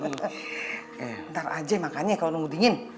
ntar aja makannya kalau nunggu dingin